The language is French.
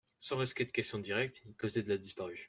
Sans risquer de questions directes, il causait de la disparue.